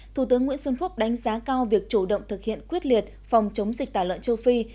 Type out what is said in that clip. thủ tướng nguyễn xuân phúc đánh giá cao việc chủ động thực hiện quyết liệt phòng chống dịch tả lợn châu phi